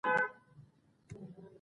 انسانیت لوی مذهب دی